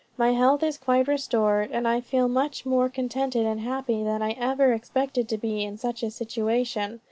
My health is quite restored, and I feel much more contented and happy than I ever expected to be in such a situation.